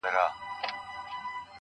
o او په سترگو کې بلا اوښکي را ډنډ سوې.